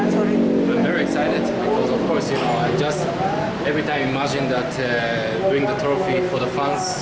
saya sangat teruja karena saya menganggap setiap kali saya membawa trofi untuk fans